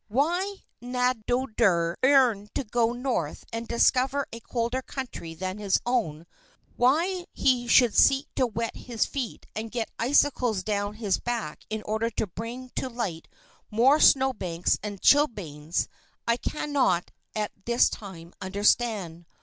Why Naddodr yearned to go north and discover a colder country than his own, why he should seek to wet his feet and get icicles down his back in order to bring to light more snow banks and chilblains, I cannot at this time understand.